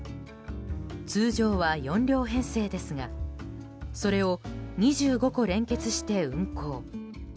通常は４両編成ですがそれを２５個連結して運行。